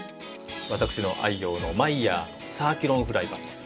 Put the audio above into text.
私の愛用のマイヤーのサーキュロンフライパンです。